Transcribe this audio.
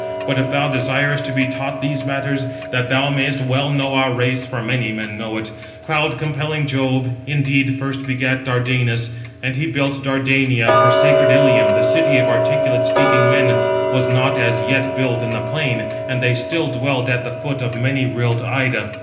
But if thou desirest to be taught these matters, that thou mayest well know our race (for many men know it), cloud compelling Jove indeed first begat Dardanus. 652 And he built Dardania, for sacred Ilium, the city of articulate speaking men, was not as yet built in the plain, and they still dwelt at the foot of many rilled Ida.